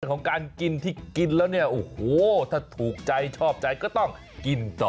ของการกินที่กินแล้วเนี่ยโอ้โหถ้าถูกใจชอบใจก็ต้องกินต่อ